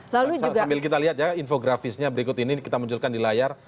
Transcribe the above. sambil kita lihat ya infografisnya berikut ini kita munculkan di layar